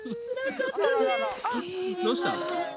どうしたの？